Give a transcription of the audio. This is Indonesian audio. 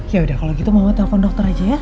yaudah kalau gitu mama telepon dokter aja ya